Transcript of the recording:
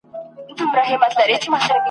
نه مو غوښي پخوي څوک په ځولیو !.